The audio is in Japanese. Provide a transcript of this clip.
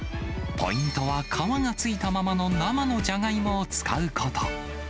ポイントは、皮がついたままの生のジャガイモを使うこと。